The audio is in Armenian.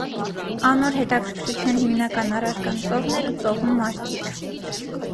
Անոր հետաքրքութեան հիմնական առարկան ծովն էր ու ծովու մարդիկ։